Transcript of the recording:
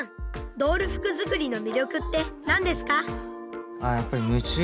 ドール服作りの魅力って何ですか？